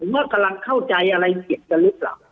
กำลังเข้าใจอะไรเสียงกันรึเปล่า